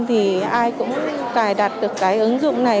thì ai cũng cài đặt được cái ứng dụng này